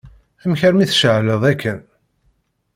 Amek armi tceεleḍ akken?